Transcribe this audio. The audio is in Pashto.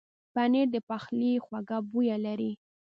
پنېر د پخلي خوږه بویه لري.